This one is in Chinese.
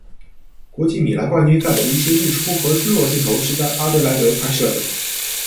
国际米兰冠军赛的一些日落和日出镜头是在阿德莱德拍摄的。